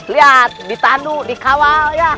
lihat ditandu dikawal